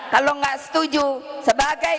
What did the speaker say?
kalau nggak setuju sebagai